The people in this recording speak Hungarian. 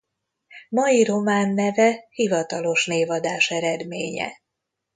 Mai román neve hivatalos névadás eredménye.